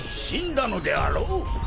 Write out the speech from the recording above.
死んだのであろう？